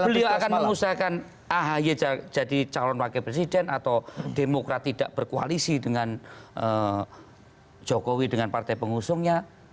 beliau akan mengusahakan ahy jadi calon wakil presiden atau demokrat tidak berkoalisi dengan jokowi dengan partai pengusungnya